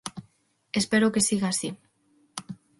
Espero que siga así.